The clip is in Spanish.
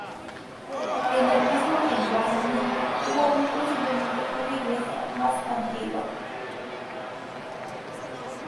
En el mismo emplazamiento hubo muy posiblemente una iglesia más antigua.